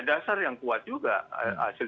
dasar yang kuat juga hasil